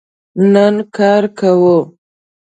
نن کار کوو